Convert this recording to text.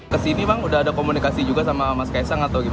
kesini bang udah ada komunikasi juga sama mas kaisang atau gimana